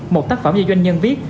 một tác phẩm do doanh nhân viết